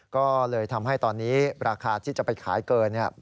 ก็เลยทำให้ตอนนี้ราคาที่จะไปขายเกินเนี่ย